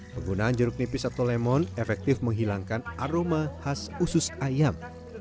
penggunaan jeruk nipis atau lemon efektif menghilangkan aroma khas usus ayam